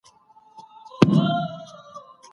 پر دغي څوکۍ باندې مي خپله توره خولۍ ایښې وه.